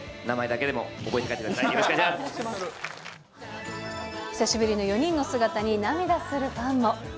名前だけでも覚えて帰ってくださ久しぶりの４人の姿に涙するファンも。